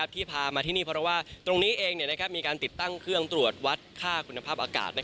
ที่พามาที่นี่เพราะว่าตรงนี้เองมีการติดตั้งเครื่องตรวจวัดค่าคุณภาพอากาศ